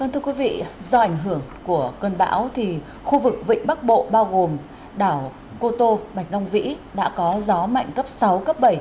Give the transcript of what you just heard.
thưa quý vị do ảnh hưởng của cơn bão thì khu vực vịnh bắc bộ bao gồm đảo cô tô bạch long vĩ đã có gió mạnh cấp sáu cấp bảy